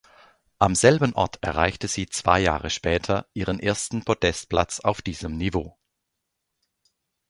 Am selben Ort erreichte sie zwei Jahre später ihren ersten Podestplatz auf diesem Niveau.